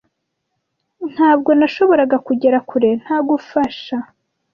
Ntabwo nashoboraga kugera kure ntagufasha.